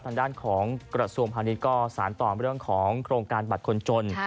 ทางด้านของกระทรวงพาณิชย์ก็สารต่อเรื่องของโครงการบัตรคนจน